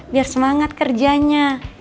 biar semangat kerjanya